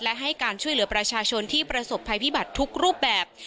และให้การช่วยเหลือประชาชนที่ประสบภัยพิบัติทุกรูปแบบ